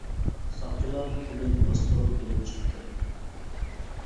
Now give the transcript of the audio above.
ساقچىلار ئۇنى باستۇرۇپ ئېلىپ چىقىپ كەتتى.